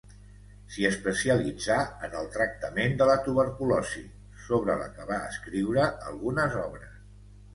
S'hi especialitzà en el tractament de la tuberculosi, sobre la que va escriure algunes obres.